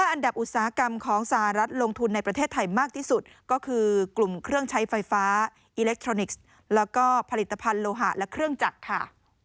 อันดับอุตสาหกรรมของสหรัฐลงทุนในประเทศไทยมากที่สุดก็คือกลุ่มเครื่องใช้ไฟฟ้าอิเล็กทรอนิกส์แล้วก็ผลิตภัณฑ์โลหะและเครื่องจักรค่ะ